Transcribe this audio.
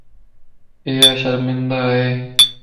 ايا شرمندا ائي.